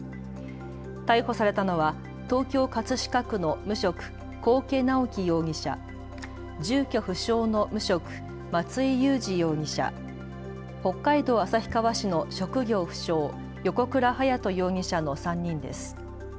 逮捕されたのは東京葛飾区の無職、幸家直樹容疑者、住居不詳の無職、松居勇志容疑者、北海道旭川市の職業不詳、横倉逸人容疑者の３人です。